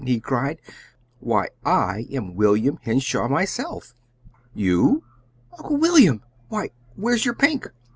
he cried. "Why, I am William Henshaw, myself." "You! Uncle William! Why, where's your pink?"